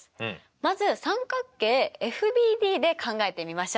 まず三角形ＦＢＤで考えてみましょう。